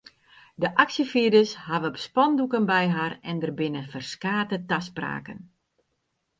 De aksjefierders hawwe spandoeken by har en der binne ferskate taspraken.